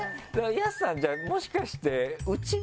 ＹＡＳＵさんじゃあもしかして。